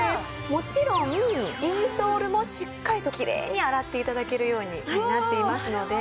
もちろんインソールもしっかりときれいに洗って頂けるようになっていますので。